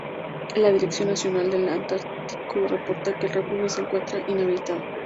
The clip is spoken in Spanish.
La Dirección Nacional del Antártico reporta que el refugio se encuentra inhabilitado.